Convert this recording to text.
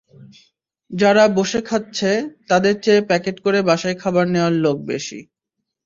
যারা বসে খাচ্ছে, তাদের চেয়ে প্যাকেট করে বাসায় খাবার নেওয়ার লোক বেশি।